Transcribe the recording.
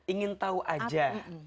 apa yang orang lain takut tau